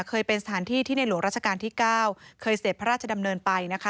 เคยเป็นสถานที่ที่ในหลวงราชการที่๙เคยเสร็จพระราชดำเนินไปนะคะ